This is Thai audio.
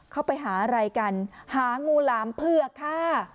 เข้าไปหาอะไรกันหางูหลามเผือกค่ะ